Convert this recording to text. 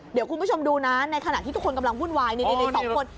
เดี๋ยวคุณผู้ชมดูนะในขณะที่ทุกคนกำลังวุ่นวายนี่สองคน